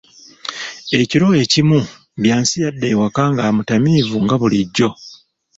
Ekiro ekimu, Byansi yadda ewaka nga mutamiivu nga bulijjo.